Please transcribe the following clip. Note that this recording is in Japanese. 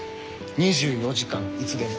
２４時間いつでも。